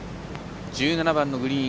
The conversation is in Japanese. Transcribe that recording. １７番のグリーン。